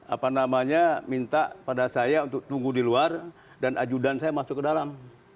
apa namanya minta pada saya untuk tunggu di luar dan ajudan saya masuk ke dalam